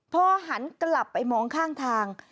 พอหันกลับไปมองข้างทาง